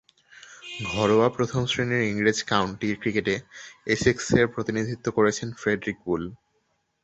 ঘরোয়া প্রথম-শ্রেণীর ইংরেজ কাউন্টি ক্রিকেটে এসেক্সের প্রতিনিধিত্ব করেছেন ফ্রেডরিক বুল।